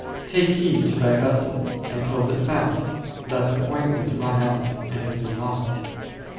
Take heed to thy vessel and close it fast, lest the ointment run out and it be lost.